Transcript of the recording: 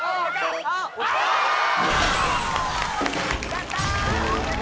やった！